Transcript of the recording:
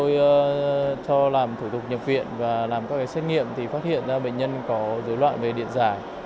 do làm thủ tục nhập viện và làm các xét nghiệm thì phát hiện ra bệnh nhân có dấu loại về điện giải